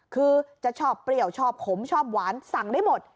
คือจะชอบเปรี้ยวชอบขมชอบหวานสั่งได้หมด